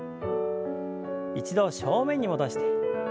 一度正面に戻して。